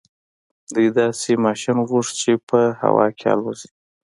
دوی داسې ماشين غوښت چې په هوا کې الوځي.